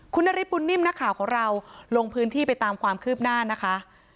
คุณนฤทธบุญนิ่มนักข่าวของเราลงพื้นที่ไปตามความคืบหน้านะคะ